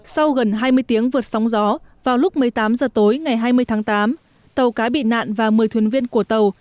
sau gần hai mươi tiếng vượt sóng gió vào lúc một mươi tám h tối ngày hai mươi tháng tám tàu cá bị nạn và một mươi thuyền viên của tàu